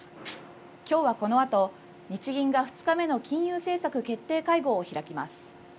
きょうはこのあと日銀が２日目の金融政策決定会合を開きます。